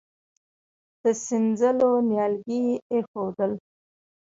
د سينځلو نيالګي يې اېښودل.